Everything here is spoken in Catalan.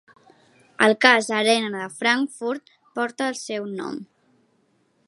El cas Arena de Frankfurt porta el seu nom.